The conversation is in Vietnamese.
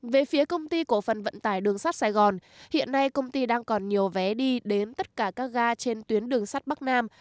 về phía công ty cổ phần vận tải đường sắt sài gòn hiện nay công ty đang còn nhiều vé đi đến tất cả các ga trên tuyến đường sắt bắc nam